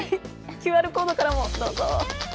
ＱＲコードからもどうぞ。